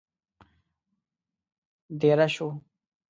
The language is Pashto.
دېره شوو.